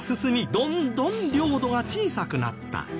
どんどん領土が小さくなった。